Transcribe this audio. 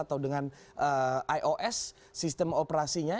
atau dengan ios sistem operasinya